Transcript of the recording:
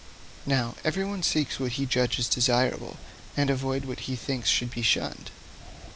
Now, everyone seeks what he judges desirable, and avoids what he thinks should be shunned.